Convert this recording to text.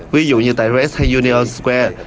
ví dụ như tại red hay union square